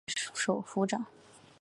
后任横须贺镇守府长。